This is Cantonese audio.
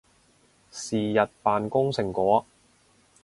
是日扮工成果